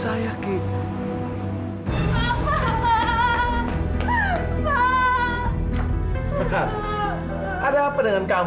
seharusnya kamu bertanya pada orang tuamu